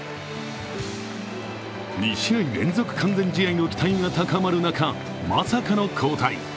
２試合連続完全試合の期待が高まる中、まさかの交代。